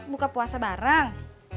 buka puasa bareng